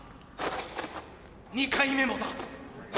２回目もだ。